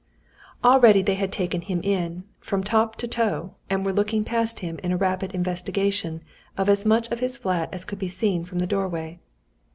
Already they had taken him in, from top to toe, and were looking past him in a rapid investigation of as much of his flat as could be seen from the doorway.